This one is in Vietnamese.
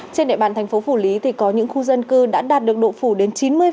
trên địa bàn thành phố phủ lý thì có những khu dân cư đã đạt được độ phủ đến chín mươi